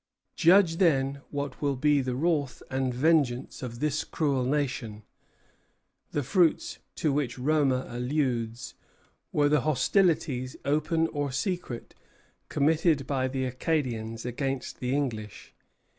Judge then what will be the wrath and vengeance of this cruel nation." The fruits to which Roma alludes were the hostilities, open or secret, committed by the Acadians against the English.